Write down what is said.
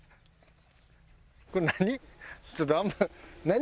何？